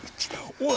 おい！